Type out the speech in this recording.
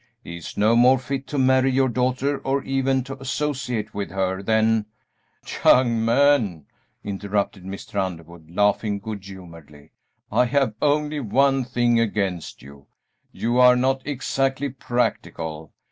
He is no more fit to marry your daughter, or even to associate with her, than " "Young man," interrupted Mr. Underwood, laughing good humoredly, "I have only one thing against you: you are not exactly practical.